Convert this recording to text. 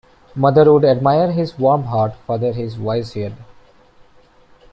Mother would admire his warm heart, father his wise head.